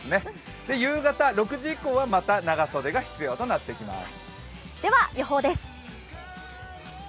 夕方６時以降はまた長袖が必要となってきます。